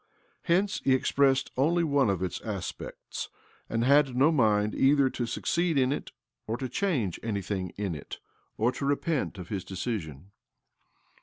Hence he expressed only one of its aspects, and had no mind either to succeed in it, or to change anything in it, or to repent of his decision.